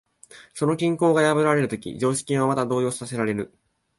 その均衡が破られるとき、常識もまた動揺させられる。